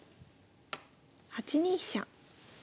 ８二飛車。